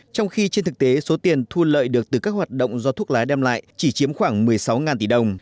trong khi trên thực tế số tiền thu lợi được từ các hoạt động do thuốc lá đem lại chỉ chiếm khoảng một mươi sáu tỷ đồng